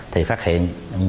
thì phát hiện